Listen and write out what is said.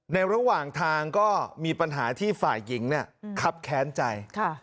ระหว่างทางก็มีปัญหาที่ฝ่ายหญิงครับแค้นใจ